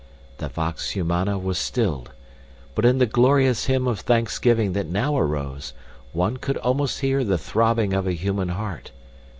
The vox humana was stilled, but in the glorious hymn of thanksgiving that now arose, one could almost hear the throbbing of a human heart.